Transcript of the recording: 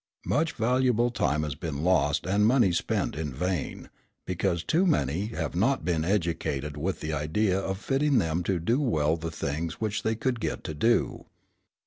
Much valuable time has been lost and money spent in vain, because too many have not been educated with the idea of fitting them to do well the things which they could get to do.